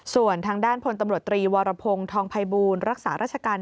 ส่วนทางด้านพลตำรวจตรีวรพงศ์ทองภัยบูลรักษาราชการ